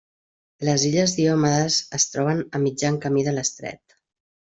Les Illes Diomedes es troben a mitjan camí de l'estret.